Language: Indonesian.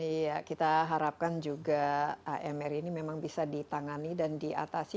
iya kita harapkan juga amr ini memang bisa ditangani dan diatasi